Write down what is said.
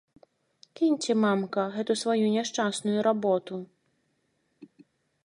Кіньце, мамка, гэту сваю няшчасную работу!